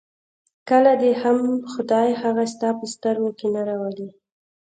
کله دې هم خدای هغه ستا په سترګو کې نه راولي.